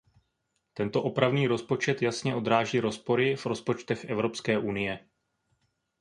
Tento opravný rozpočet jasně odráží rozpory v rozpočtech Evropské unie.